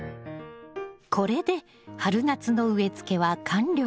これで春夏の植えつけは完了。